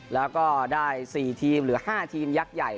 แล้วก็ได้๔ทีมเหลือ๕ทีมยักษ์ใหญ่